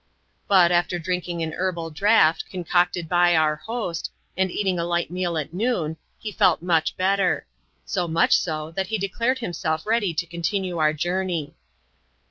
But, after drinking an herbal draught, concocted by our host, and eating a light meal at noon, he felt much better; 80 much, so, that lie deeWe^ \maa>^ x^"^ ^ \fs continue our journey.